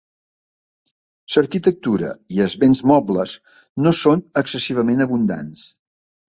L'arquitectura i els béns mobles no són excessivament abundants.